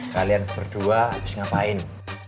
kalian berdua abis ngapain